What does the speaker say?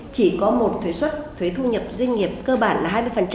chỉ có một thuế xuất thuế thu nhập doanh nghiệp cơ bản là hai mươi